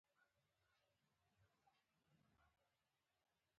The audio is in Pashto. هم یې کرکټرونه زیات دي.